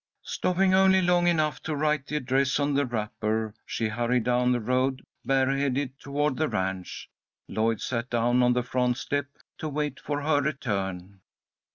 Stopping only long enough to write the address on the wrapper, she hurried down the road, bareheaded, toward the ranch. Lloyd sat down on the front door step to wait for her return.